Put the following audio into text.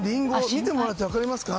見てもらって分かりますか？